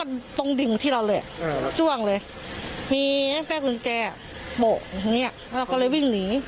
อันนี้คือตรงนี้อย่างเดียวกับตรงตา